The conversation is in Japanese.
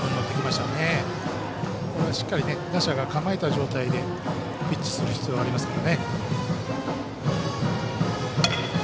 しっかり打者が構えた状態でピッチする必要がありますからね。